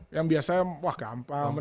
yang biasanya wah gampang